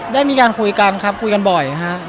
ได้มีการคุยกันครับคุยกันบ่อยฮะ